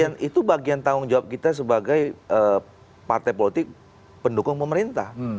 itu bagian tanggung jawab kita sebagai partai politik pendukung pemerintah